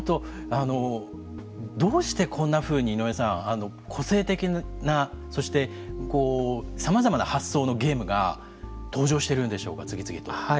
どうしてこんなふうに井上さん、個性的なそしてさまざまな発想のゲームが登場してるんでしょうか、次々と。